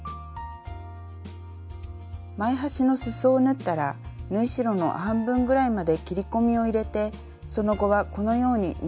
前端のすそを縫ったら縫い代の半分ぐらいまで切り込みを入れてその後はこのように縫い代を切っておきましょう。